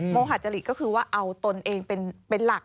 มหาจริตก็คือว่าเอาตนเองเป็นหลัก